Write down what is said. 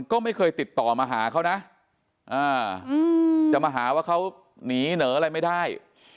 ก็ไม่เคยติดต่อมาหาเขานะจะมาหาว่าเขาหนีเหนออะไรไม่ได้